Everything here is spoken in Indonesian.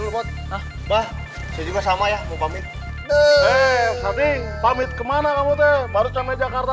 bahwa juga sama ya mau pamit deh panggil pamit kemana kamu teh baru sampai jakarta